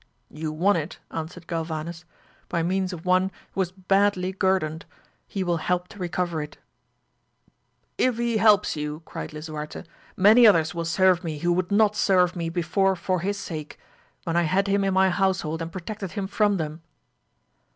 You won it, answered Galvanes, by means of one who was badly guerdoned, he will help to recover it If he helps you, cried Lisuarte, many others will serve me who would not serve me before for his sake, when I had him in my household and protected him from them.